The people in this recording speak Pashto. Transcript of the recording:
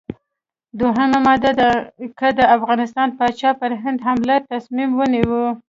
دوهمه ماده: که د افغانستان پاچا پر هند حملې تصمیم ونیو.